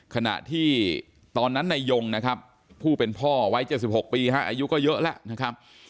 ขณะที่ตอนนั้นนายยงนะครับผู้เป็นพ่อวัย๗๖ปีอายุก็เยอะแล้วนะครับ